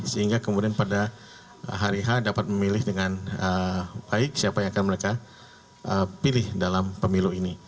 sehingga kemudian pada hari h dapat memilih dengan baik siapa yang akan mereka pilih dalam pemilu ini